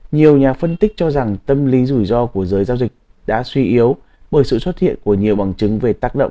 nhiều nhà phân tích cho rằng tâm lý rủi ro của giới giao dịch đã suy yếu bởi sự xuất hiện của nhiều bằng chứng về tác động